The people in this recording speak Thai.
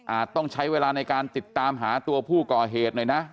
ต้องใช้เวลาในการติดตามหาตัวผู้ก่อเหตุหน่อยนะ